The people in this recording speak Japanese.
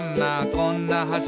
こんな橋」